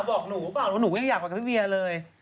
บอกหนูหรือเปล่าว่าหนูยังอยากกับพี่เวียเลย